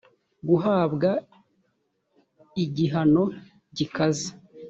guhabwa igihano gikaze